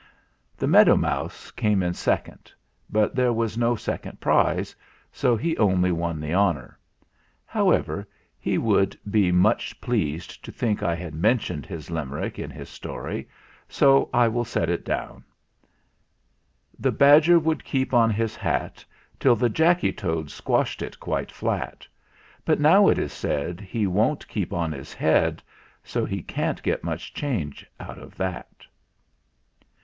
The meadow mouse came in second; but there was no second prize, so he only won the honor. However, he would be much pleased 300 THE FLINT HEART to think I had mentioned his Limerick in this story, so I will set it down: The badger would keep on his hat Till the Jacky Toads squashed it quite flat ; But now, it is said, He won't keep on his head; So he can't get much change out of that.